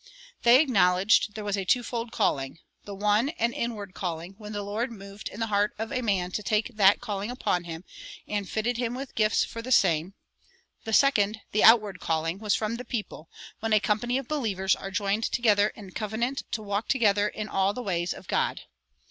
"They acknowledged there was a twofold calling: the one, an inward calling, when the Lord moved the heart of a man to take that calling upon him, and fitted him with gifts for the same; the second (the outward calling) was from the people, when a company of believers are joined together in covenant to walk together in all the ways of God."